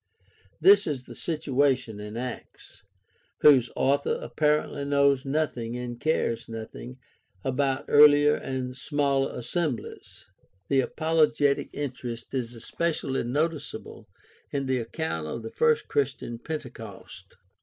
This is the situation in Acts, whose author apparently knows nothing and cares nothing about earher and smaller assembHes. The apologetic interest is especially noticeable in tjie account of the first Christian Pentecost.